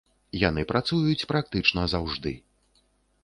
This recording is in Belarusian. Яны працуюць практычна заўжды.